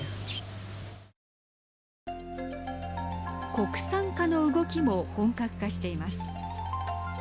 国産化の動きも本格化しています。